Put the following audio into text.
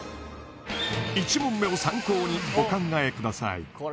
１問目を参考にお考えください